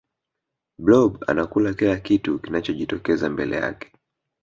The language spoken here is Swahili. blob anakula kila kitu kinachojitokeza mbele yake